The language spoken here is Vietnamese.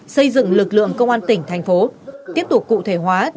xây dựng lực lượng công an tỉnh thành phố